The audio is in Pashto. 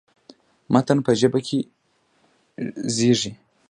متن په ژبه کې زېږي.